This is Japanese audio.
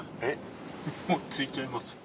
もう着いちゃいます。